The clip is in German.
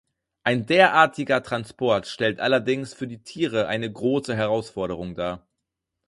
Ein derartiger Transport stellt allerdings für die Tiere eine große Herausforderung dar.